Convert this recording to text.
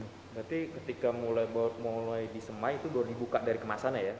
berarti ketika mulai disemai itu baru dibuka dari kemasannya ya